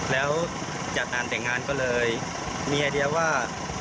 แล้วจัดงานแต่งงานก็เลยมีไอเดียว่า